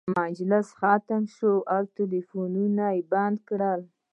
مجلس ختم شو او ټلفونونه یې راکړل.